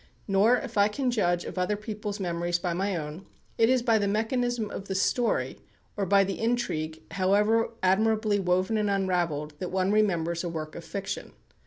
Nor, if I can judge of other people's memories by my own, is it by the mechanism of the story, or by the intrigue, however admirably woven and unravelled, that one remembers a work of fiction.